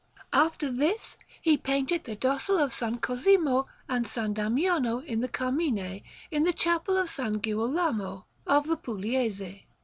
After this, he painted the dossal of S. Cosimo and S. Damiano in the Carmine, in the Chapel of S. Girolamo (of the Pugliesi).